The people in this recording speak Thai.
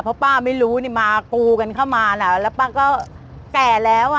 เพราะป้าไม่รู้นี่มากูกันเข้ามาแล้วแล้วป้าก็แก่แล้วอ่ะ